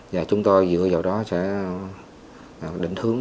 và chúng tôi dựa vào đó sẽ định hướng